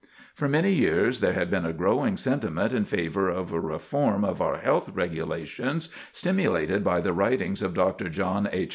For many years there had been a growing sentiment in favor of a reform of our health regulations, stimulated by the writings of Dr. John H.